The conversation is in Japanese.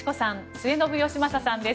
末延吉正さんです。